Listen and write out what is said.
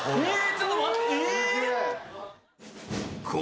ちょっと待ってええー